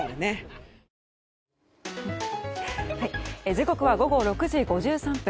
時刻は午後６時５３分。